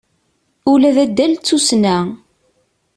Ula d addal d tussna.